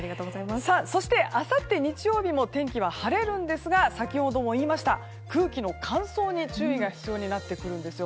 そして、あさって日曜日の天気は晴れるんですが先ほども言いました空気の乾燥に注意が必要になってくるんです。